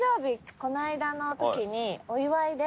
この間の時にお祝いで。